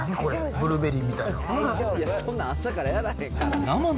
ブルーベリーみたいなの。